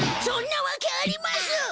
そんなわけあります！